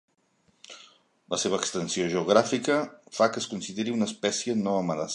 La seva extensió geogràfica fa que es consideri una espècie no amenaçada.